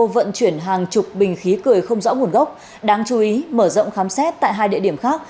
vận chuyển hàng chục bình khí cười không rõ nguồn gốc đáng chú ý mở rộng khám xét tại hai địa điểm khác